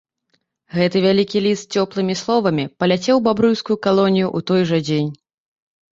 Гэты вялікі ліст з цёплымі словамі паляцеў у бабруйскую калонію ў той жа дзень.